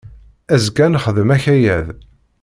Azekka ad nexdem akayad.